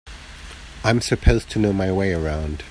I'm supposed to know my way around.